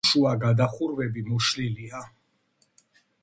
სართულშუა გადახურვები მოშლილია.